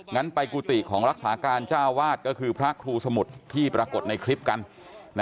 งั้นไปกุฏิของรักษาการเจ้าวาดก็คือพระครูสมุทรที่ปรากฏในคลิปกัน